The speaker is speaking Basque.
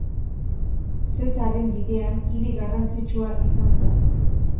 Zetaren Bidean hiri garrantzitsua izan zen.